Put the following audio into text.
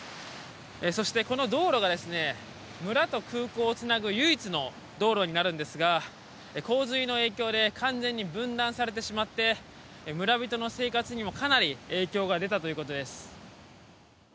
そして、道路が村と空港をつなぐ唯一の道路になるんですが洪水の影響で完全に分断されてしまって村人の生活にも、かなり影響が出たということです。